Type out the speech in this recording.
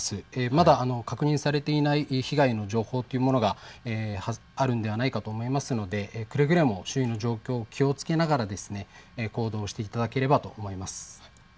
まだ確認されていない被害の情報というものがあるのではないかと思いますので、くれぐれも周囲の状況に気をつけながら行動していただければと思います。